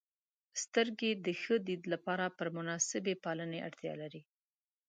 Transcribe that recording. • سترګې د ښه دید لپاره پر مناسبې پالنې اړتیا لري.